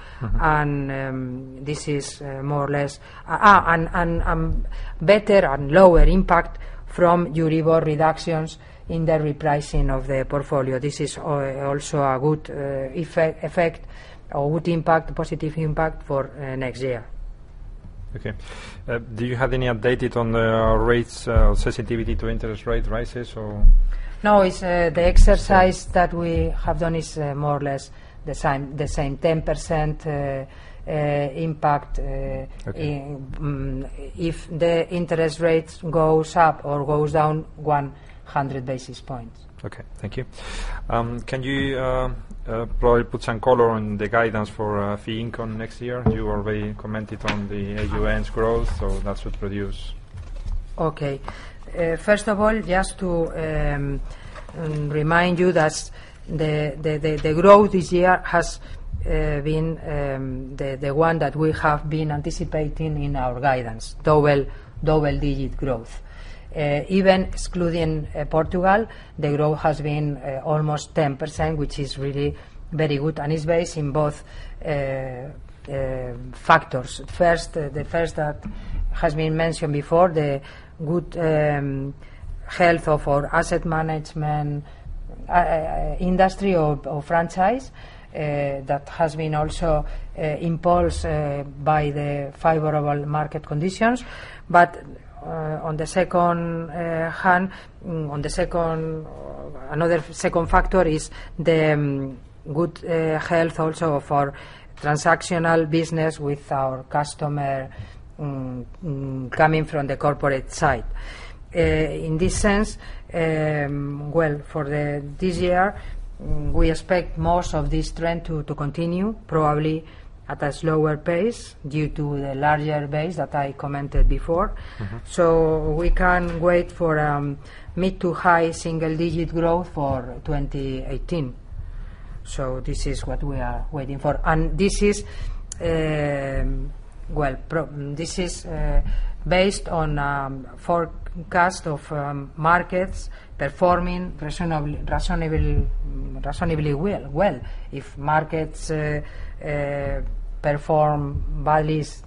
Better and lower impact from EURIBOR reductions in the repricing of the portfolio. This is also a good effect or good positive impact for next year. Okay. Do you have any update on the rates or sensitivity to interest rate rises, or? The exercise that we have done is more or less the same. 10% impact. Okay The interest rate goes up or goes down 100 basis points. Okay. Thank you. Can you probably put some color on the guidance for fee income next year? You already commented on the AUMs growth, that should produce. Okay. First of all, just to remind you that the growth this year has been the one that we have been anticipating in our guidance, double-digit growth. Even excluding Portugal, the growth has been almost 10%, which is really very good, and it's based in both factors. First, that has been mentioned before, the good health of our asset management industry or franchise. That has been also impulsed by the favorable market conditions. On the second hand, another second factor is the good health also of our transactional business with our customer coming from the corporate side. In this sense, well, for this year, we expect most of this trend to continue, probably at a slower pace due to the larger base that I commented before. We can wait for mid to high single-digit growth for 2018. This is what we are waiting for. This is based on forecast of markets performing reasonably well. If markets perform badly, it's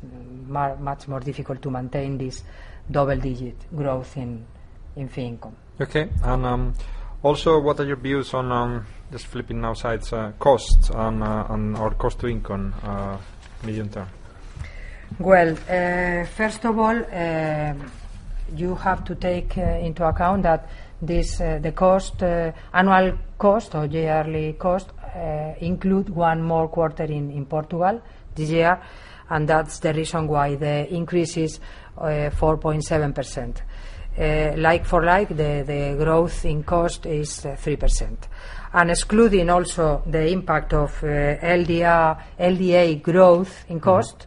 much more difficult to maintain this double-digit growth in fee income. Okay. Also what are your views on, just flipping now sides, costs or cost-to-income medium term? Well, first of all, you have to take into account that the annual cost or yearly cost includes one more quarter in Portugal this year, and that's the reason why the increase is 4.7%. Like for like, the growth in cost is 3%. Excluding also the impact of LDA growth in cost,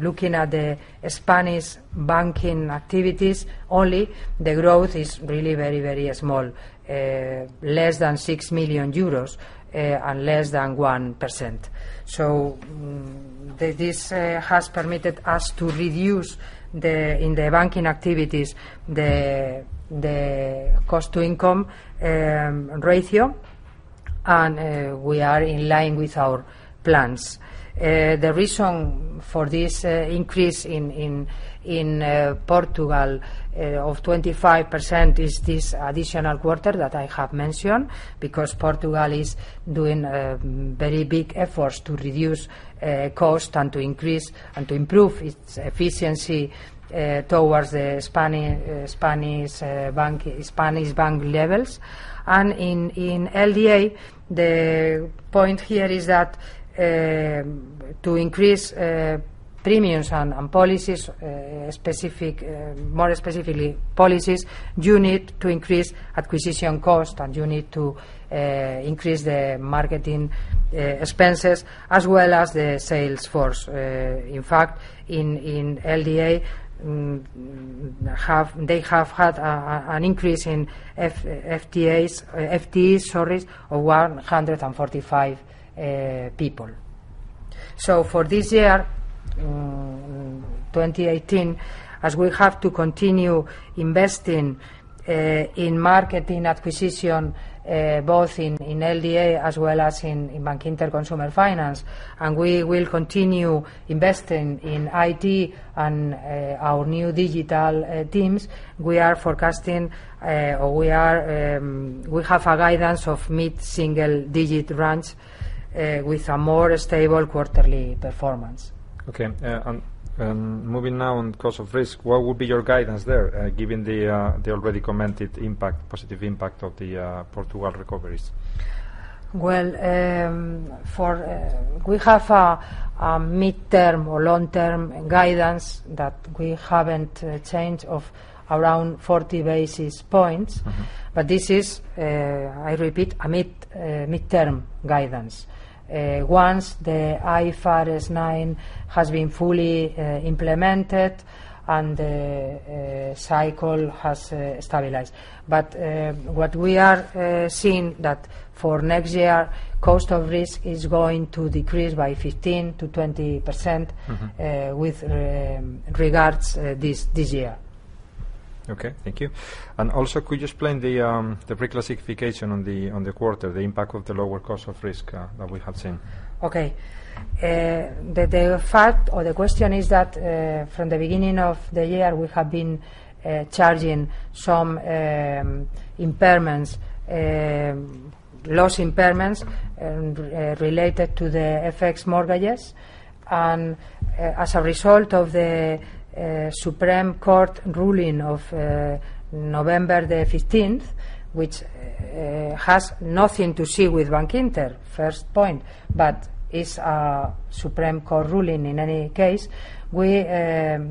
looking at the Spanish banking activities only, the growth is really very small, less than 6 million euros and less than 1%. This has permitted us to reduce, in the banking activities, the cost-to-income ratio, and we are in line with our plans. The reason for this increase in Portugal of 25% is this additional quarter that I have mentioned, because Portugal is doing very big efforts to reduce cost and to increase and to improve its efficiency towards the Spanish bank levels. In LDA, the point here is that to increase premiums and policies, more specifically policies, you need to increase acquisition cost, you need to increase the marketing expenses as well as the sales force. In fact, in LDA, they have had an increase in FTEs of 145 people. For this year, 2018, as we have to continue investing in marketing acquisition, both in LDA as well as in Bankinter Consumer Finance, we will continue investing in IT and our new digital teams. We have a guidance of mid-single digit range with a more stable quarterly performance. Okay. Moving now on cost of risk, what would be your guidance there, given the already commented positive impact of the Portugal recoveries? Well, we have a mid-term or long-term guidance that we haven't changed of around 40 basis points. This is, I repeat, a mid-term guidance. Once the IFRS 9 has been fully implemented and the cycle has stabilized. What we are seeing that for next year, cost of risk is going to decrease by 15%-20%. with regards this year. Okay. Thank you. Also, could you explain the reclassification on the quarter, the impact of the lower cost of risk that we have seen? Okay. The fact or the question is that, from the beginning of the year, we have been charging some loss impairments related to the FX mortgages. As a result of the Supreme Court ruling of November the 15th, which has nothing to do with Bankinter, first point, but is a Supreme Court ruling in any case. We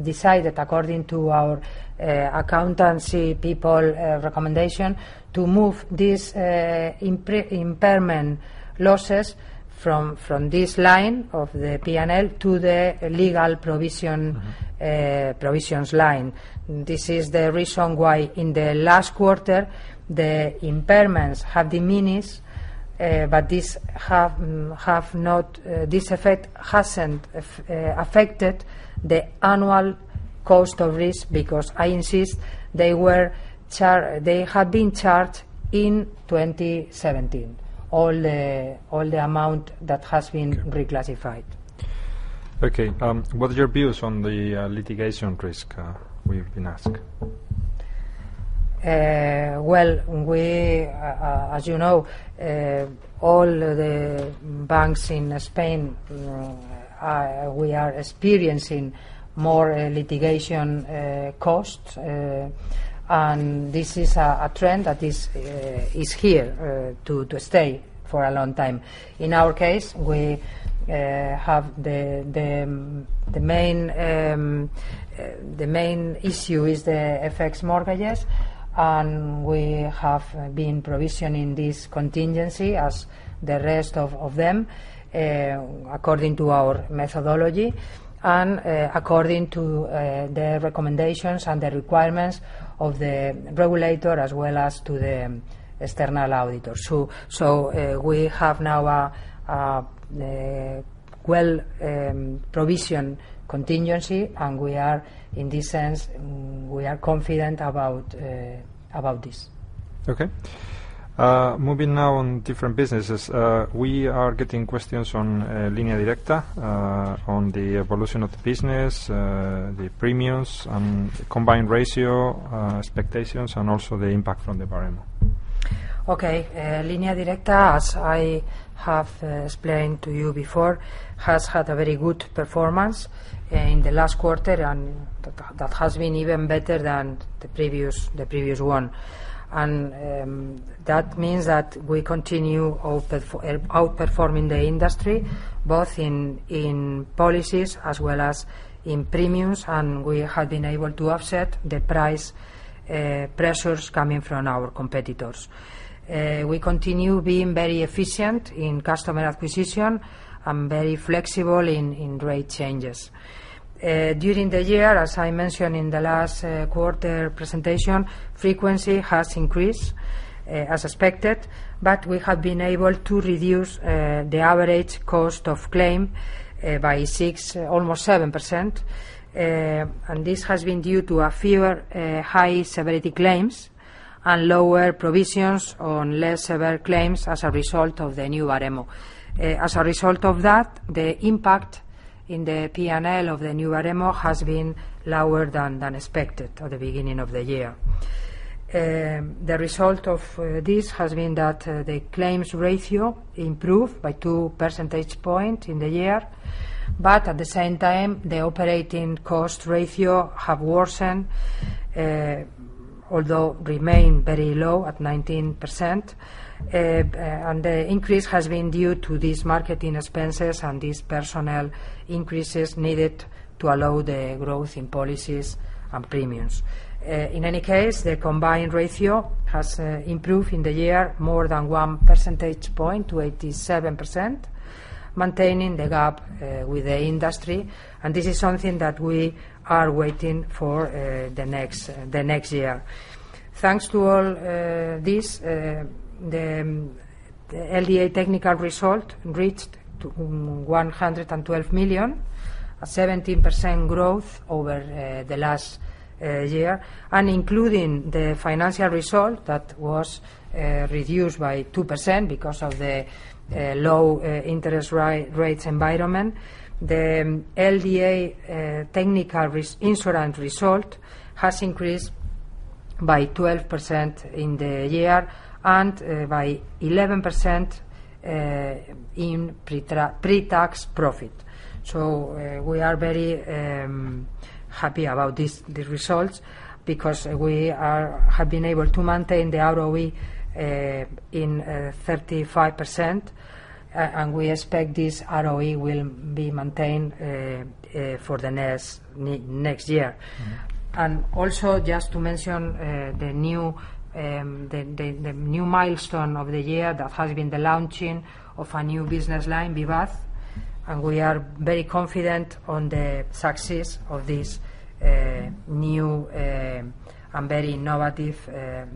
decided, according to our accountancy people recommendation, to move these impairment losses from this line of the P&L to the legal provisions line. This is the reason why in the last quarter, the impairments have diminished, but this effect hasn't affected the annual cost of risk because I insist, they had been charged in 2017, all the amount that has been reclassified. Okay. What are your views on the litigation risk we've been asked? As you know, all the banks in Spain, we are experiencing more litigation costs. This is a trend that is here to stay for a long time. In our case, the main issue is the FX mortgages, and we have been provisioning this contingency as the rest of them, according to our methodology and according to the recommendations and the requirements of the regulator, as well as to the external auditors. We have now a well provision contingency, and in this sense, we are confident about this. Moving now on different businesses. We are getting questions on Línea Directa, on the evolution of the business, the premiums and combined ratio expectations, and also the impact from the Baremo. Línea Directa, as I have explained to you before, has had a very good performance in the last quarter, and that has been even better than the previous one. That means that we continue outperforming the industry, both in policies as well as in premiums, and we have been able to offset the price pressures coming from our competitors. We continue being very efficient in customer acquisition and very flexible in rate changes. During the year, as I mentioned in the last quarter presentation, frequency has increased as expected, but we have been able to reduce the average cost of claim by 6%, almost 7%. This has been due to fewer high-severity claims and lower provisions on less severe claims as a result of the new Baremo. As a result of that, the impact in the P&L of the new Baremo has been lower than expected at the beginning of the year. The result of this has been that the claims ratio improved by 2 percentage points in the year. At the same time, the operating cost ratio have worsened, although remained very low at 19%. The increase has been due to these marketing expenses and these personnel increases needed to allow the growth in policies and premiums. In any case, the combined ratio has improved in the year more than one percentage point to 87%, maintaining the gap with the industry. This is something that we are waiting for the next year. Thanks to all this, the LDA technical result reached to 112 million, a 17% growth over the last year. Including the financial result that was reduced by 2% because of the low interest rates environment. The LDA technical insurance result has increased by 12% in the year and by 11% in pre-tax profit. We are very happy about these results because we have been able to maintain the ROE in 35%. We expect this ROE will be maintained for the next year. Also, just to mention the new milestone of the year, that has been the launching of a new business line, Vivaz. We are very confident on the success of this new and very innovative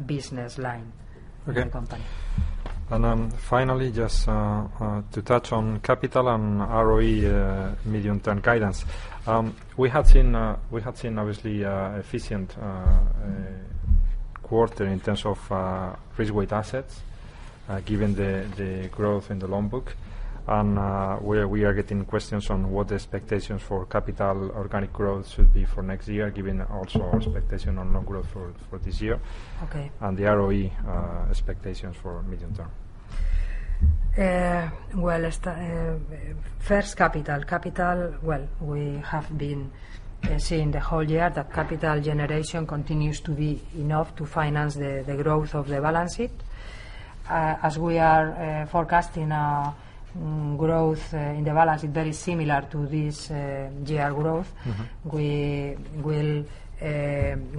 business line. Okay For the company. Finally, just to touch on capital and ROE medium-term guidance. We have seen, obviously, efficient quarter in terms of risk weight assets, given the growth in the loan book. We are getting questions on what the expectations for capital organic growth should be for next year, given also our expectation on loan growth for this year. Okay. The ROE expectations for medium term. First, capital. Capital, we have been seeing the whole year that capital generation continues to be enough to finance the growth of the balance sheet. As we are forecasting growth in the balance sheet very similar to this year growth. we will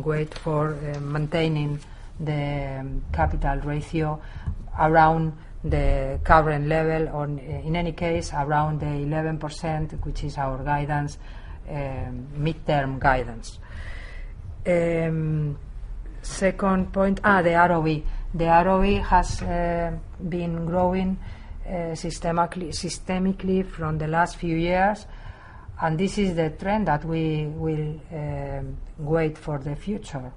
wait for maintaining the capital ratio around the current level, or in any case, around the 11%, which is our mid-term guidance. Second point, the ROE. The ROE has been growing systemically from the last few years, this is the trend that we will wait for the future.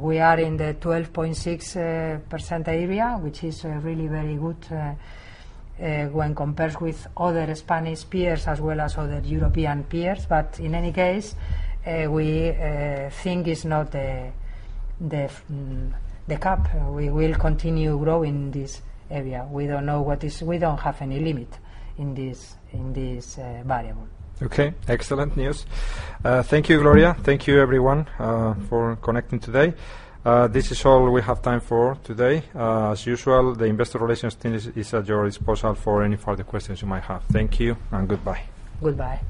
We are in the 12.6% area, which is really very good when compared with other Spanish peers as well as other European peers. In any case, we think it's not the cap. We will continue growing this area. We don't have any limit in this variable. Excellent news. Thank you, Gloria. Thank you, everyone, for connecting today. This is all we have time for today. As usual, the investor relations team is at your disposal for any further questions you might have. Thank you and goodbye. Goodbye.